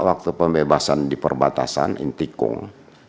waktu pembebasan di perbatasan intikung